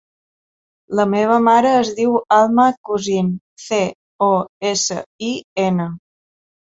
La meva mare es diu Alma Cosin: ce, o, essa, i, ena.